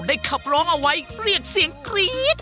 ขับร้องเอาไว้เรียกเสียงกรี๊ด